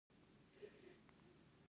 د ونې تنه د لرګي څخه جوړه ده